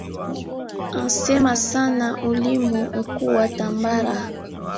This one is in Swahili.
Ansema sana ulimi unkuwa tambara